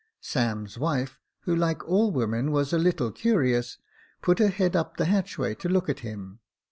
Sam's wife, who, like all women, was a little curious, put her head up the hatchway to look at him.